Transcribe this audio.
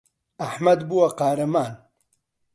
ئەحمەد بووە قارەمان.